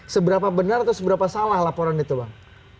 seberapa benar atau seberapa salah laporan itu bang